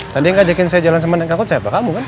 tadi yang ngajakin saya jalan sama nengkot siapa kamu kan